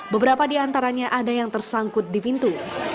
beberapa di antaranya ada yang tersangkut di pintu